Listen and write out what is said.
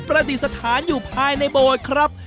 ประติศาสตร์อยู่ภายในโบสถ์ครับ